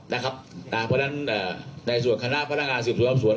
นะครับนะเพราะฉะนั้นเอ่อในส่วนคณะพนักงานสิบส่วนอับสวน